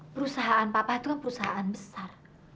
perusahaan papa itu kan perusahaan besar